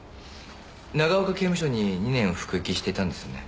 長岡刑務所に２年服役していたんですよね？